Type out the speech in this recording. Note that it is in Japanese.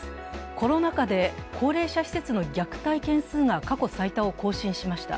コロナ禍で高齢者施設の虐待件数が過去最多を更新しました。